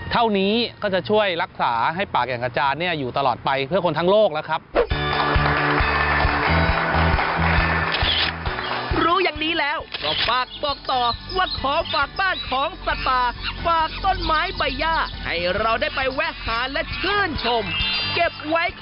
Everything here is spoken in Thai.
เท่านี้ก็จะช่วยรักษาให้ปากอย่างอาจารย์อยู่ตลอดไปเพื่อคนทั้งโลกแล้วครับ